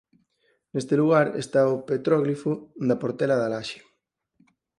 Neste lugar está o petróglifo da Portela da Laxe.